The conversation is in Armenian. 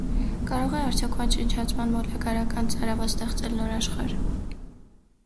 Կարո՞ղ է արդյոք ոչնչացման մոլագարական ծարավը ստեղծել նոր աշխարհ։